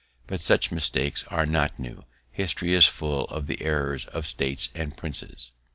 But such mistakes are not new; history is full of the errors of states and princes.